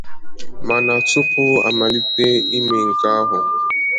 Mana tupu a malite ime nke ahụ